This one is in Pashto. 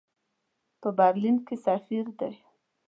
په برلین کې سفیر دی.